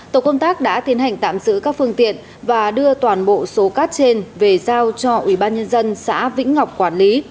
tổ công tác đã tiến hành tạm giữ các phương tiện và đưa toàn bộ số cát trên về giao cho ubnd xã vĩnh ngọc quản lý